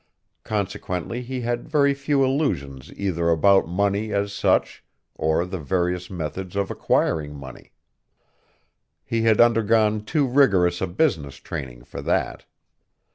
Consequently he had very few illusions either about money as such or the various methods of acquiring money. He had undergone too rigorous a business training for that.